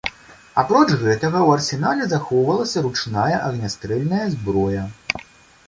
Апроч гэтага ў арсенале захоўвалася ручная агнястрэльная зброя.